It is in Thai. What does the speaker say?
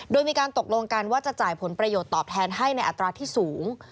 โดยมีการตกลงกันว่าจะจ่ายผลประโยชน์ตอบแทนให้ในอัตราที่สูง